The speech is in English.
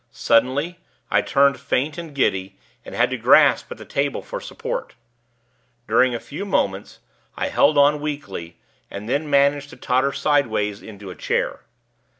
Suddenly, I turned faint and giddy, and had to grasp at the table for support. During a few moments, I held on, weakly; and then managed to totter sideways into a chair.